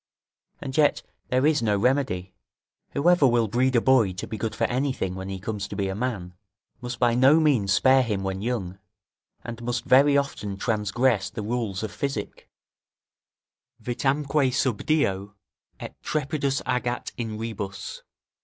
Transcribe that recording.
And yet there is no remedy; whoever will breed a boy to be good for anything when he comes to be a man, must by no means spare him when young, and must very often transgress the rules of physic: "Vitamque sub dio, et trepidis agat In rebus."